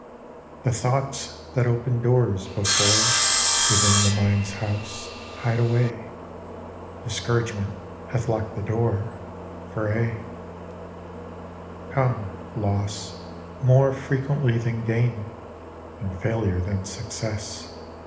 The thoughts that opened doors before Within the mind's house, hide away; Discouragement hath locked the door For aye. Come, loss, more frequently than gain! And failure than success!